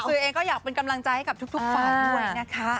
คือเองก็อยากเป็นกำลังใจให้กับทุกฝ่ายด้วยนะคะ